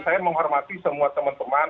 saya menghormati semua teman teman